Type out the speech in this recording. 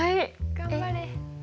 頑張れ。